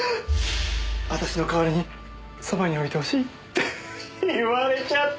私の代わりにそばに置いてほしいって言われちゃって！